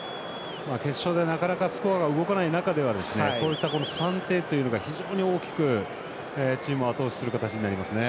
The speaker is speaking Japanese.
決勝で、なかなかスコアが動かない中では３点というのが非常に大きくチームをあと押しする形になりますね。